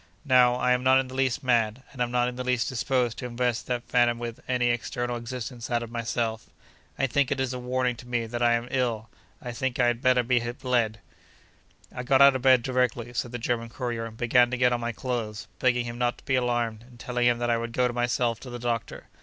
Now, I am not in the least mad, and am not in the least disposed to invest that phantom with any external existence out of myself. I think it is a warning to me that I am ill; and I think I had better be bled.' I got out of bed directly (said the German courier) and began to get on my clothes, begging him not to be alarmed, and telling him that I would go myself to the doctor.